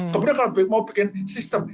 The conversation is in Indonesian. kemudian kalau mau bikin sistem